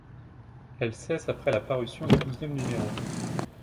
Elle cesse après la parution du douzième numéro.